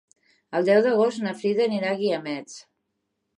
El deu d'agost na Frida anirà als Guiamets.